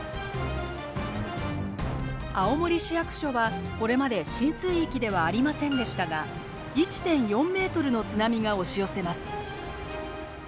青森市役所はこれまで浸水域ではありませんでしたが１．４メートルの津波が押し寄せます。